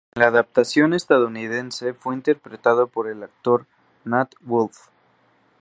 En la adaptación estadounidense, fue interpretado por el actor Nat Wolff.